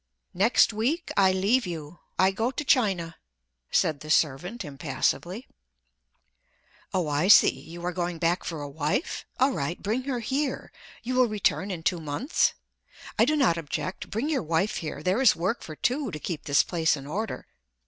"Next week I leave you—I go to China," said the servant impassively. "Oh, I see! You are going back for a wife? All right, bring her here—you will return in two months? I do not object; bring your wife here—there is work for two to keep this place in order.